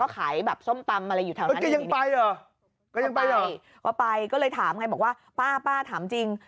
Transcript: ก็ไปก็เลยถามให้บอกว่าป้าถามจริง